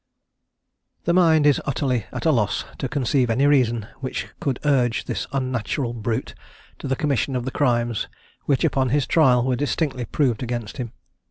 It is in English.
The mind is utterly at a loss to conceive any reason which could urge this unnatural brute to the commission of the crimes which upon his trial were distinctly proved against him.